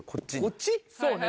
そうね